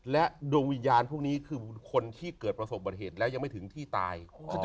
และดวงวิญญาณพวกนี้คือคนที่เกิดประสบบัติเหตุแล้วยังไม่ถึงที่ตาย